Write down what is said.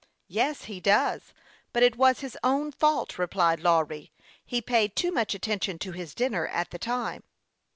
" Yes, he does ; but it was his own fault," re plied Lawry. " He was paying too much atten tion to his dinner at the time."